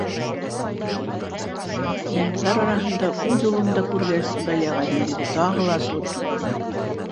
Пионерҙар араһында үҙ улын да күргәс, Ғәли ағайҙың йөҙө тағы ла асылып китте.